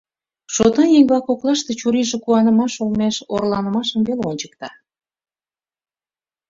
Шотан еҥ-влак коклаште чурийже куанымаш олмеш орланымашым веле ончыктен.